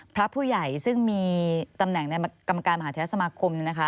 พระผู้ใหญ่ซึ่งมีตำแหน่งในกรรมการมหาเทศสมาคมนะคะ